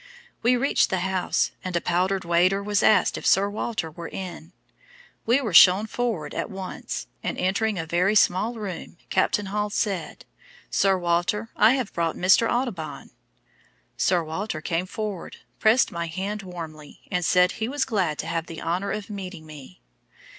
We reached the house, and a powdered waiter was asked if Sir Walter were in. We were shown forward at once, and entering a very small room Captain Hall said: 'Sir Walter, I have brought Mr. Audubon.' Sir Walter came forward, pressed my hand warmly, and said he was 'glad to have the honour of meeting me.'